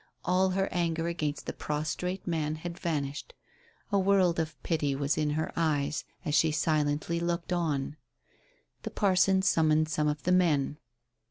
All her anger against the prostrate man had vanished; a world of pity was in her eyes as she silently looked on. The parson summoned some of the men.